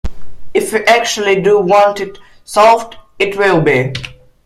If we actually do want it solved, it will be.